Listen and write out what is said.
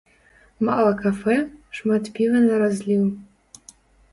Мала кафэ, шмат піва на разліў.